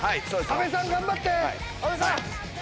阿部さん頑張って！